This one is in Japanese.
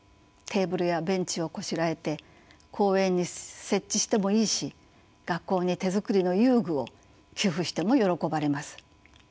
テーブルやベンチをこしらえて公園に設置してもいいし学校に手作りの遊具を寄付しても喜ばれます。